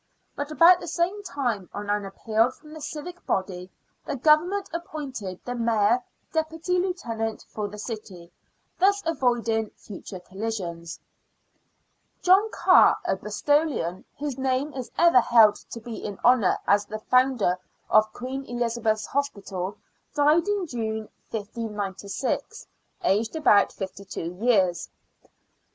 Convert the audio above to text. But about the same time, on an appeal from the civic body, the Government appointed the Mayor Deputy Lieutenant for the city, thus avoiding future collisions. John Carr, a Bristolian, whose name is ever held to be 7 82 SIXTEENTH CENTURY BRISTOL. in honour as the founder of Queen EUzabeth's Hospital, died in June, 1596, aged about 52 years.